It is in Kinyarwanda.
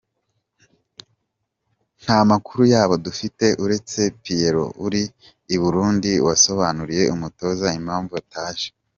Nta makuru yabo dufite uretse Pierrot uri i Burundi wasobanuriye umutoza impamvu ataje.